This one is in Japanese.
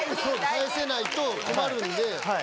返せないと困るんで。